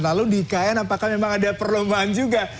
lalu di ikn apakah memang ada perlombaan juga